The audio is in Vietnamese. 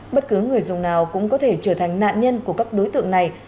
bất cứ người dùng nào cũng có thể trở thành nạn nhân của các đối tượng này